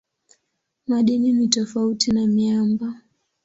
Madini ni tofauti na miamba.